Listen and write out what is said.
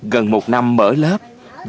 gần một năm mở lớp